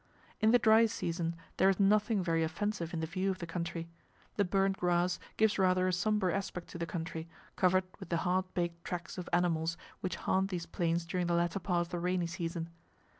In the dry season there is nothing very offensive in the view of the country. The burnt grass gives rather a sombre aspect to the country, covered with the hard baked tracks of animals which haunt these plains during the latter part of the rainy season.